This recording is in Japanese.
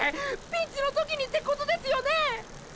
⁉ピンチの時にってことですよね